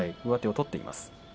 上手を取っています。